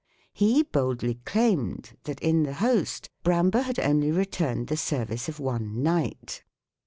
He boldly claimed that, in the host, Bramber had only rendered the service of one knight.